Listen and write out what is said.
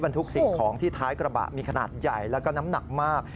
ทุกสิ่งของที่ท้ายกระบะมีขนาดใหญ่แล้วก็น้ำหนักมาก